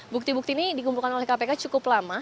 bukti bukti ini dikumpulkan oleh kpk cukup lama